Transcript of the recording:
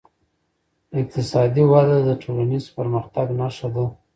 اقتصادي وده د ټولنیز پرمختګ نښه ده.